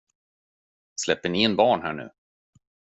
Släpper ni in barn här nu?